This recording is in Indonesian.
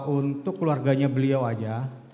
untuk keluarganya beliau aja